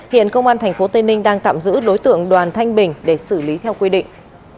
hiện công an tp tây ninh đang tạm giữ đối tượng đoàn thanh bình để xử lý theo quy định